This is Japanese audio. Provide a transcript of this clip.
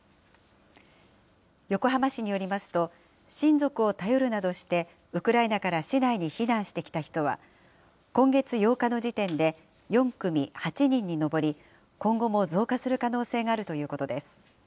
横浜市によりますと、親族を頼るなどしてウクライナから市内に避難してきた人は今月８日の時点で４組８人に上り、今後も増加する可能性があるということです。